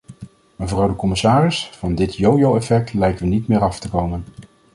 Mevrouw de commissaris, van dit jojo-effect lijken we niet meer af te komen.